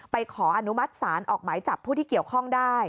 ขออนุมัติศาลออกหมายจับผู้ที่เกี่ยวข้องได้